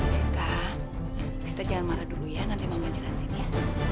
sita sita jangan marah dulu ya nanti mama jelasin ya